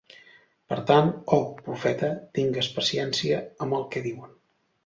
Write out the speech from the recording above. Per tant, oh, Profeta, tingues paciència amb el que diuen.